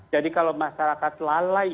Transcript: jadi kalau masyarakat lalai